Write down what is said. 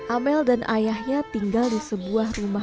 amel dan ayahnya tinggal di sebuah rumah